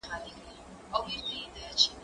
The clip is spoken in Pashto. زه اوس سندري اورم!؟